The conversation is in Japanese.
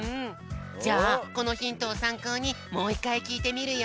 じゃあこのヒントをさんこうにもういっかいきいてみるよ。